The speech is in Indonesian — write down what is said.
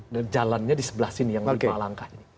dan jalannya di sebelah sini yang lima langkah